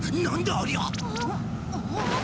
ありゃ。